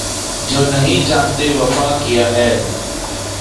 جو نہیں جانتے وفا کیا ہے